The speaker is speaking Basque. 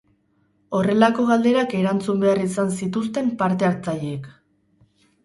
Horrelako galderak erantzun behar izan zituzten parte-hartzaileek.